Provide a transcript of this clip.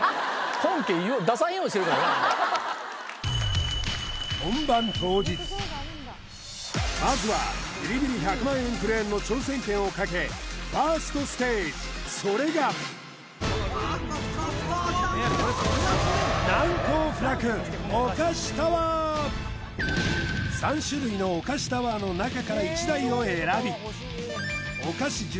本家出さんようにしてるからねまずはビリビリ１００万円クレーンの挑戦権をかけファーストステージそれが３種類のお菓子タワーの中から１台を選び